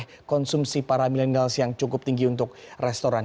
jadi ini adalah konsumsi para millennials yang cukup tinggi untuk restoran